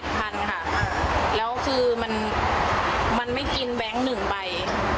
พันค่ะแล้วคือมันไม่กินแบงค์หนึ่งใบ